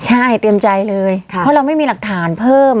ใช่เตรียมใจเลยเพราะเราไม่มีหลักฐานเพิ่ม